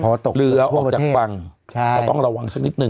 เหลือออกจากฟังต้องระวังสักนิดนึง